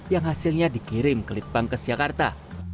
yang hasilnya dikirim ke lipang ke siakarta